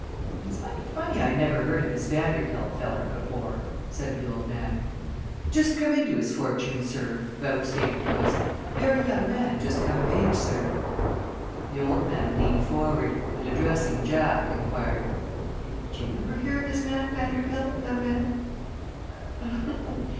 "It's mighty funny I never heard of this Vanderpoel feller before," said the old man. "Just come into his fortune, sir," vouchsafed puss. "Very young man just come of age, sir." The old man leaned forward and, addressing Jack, inquired: "Did you ever hear of this man Vanderpoel, young man?"